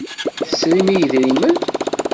Tesrim i yedrimen.